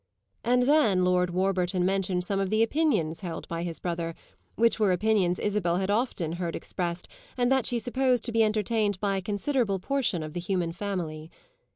And then Lord Warburton mentioned some of the opinions held by his brother, which were opinions Isabel had often heard expressed and that she supposed to be entertained by a considerable portion of the human family.